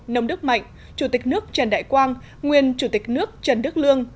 nông đức mạnh chủ tịch nước trần đại quang nguyên chủ tịch nước trần đức lương